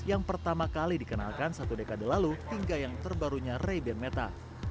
yang pertama kali dikenalkan satu dekade lalu hingga yang terbarunya ray ben meta